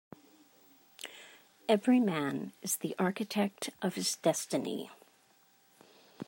Every man is the architect of his destiny.